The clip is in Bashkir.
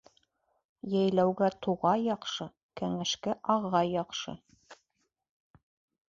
Йәйләүгә туғай яҡшы, кәңәшкә ағай яҡшы.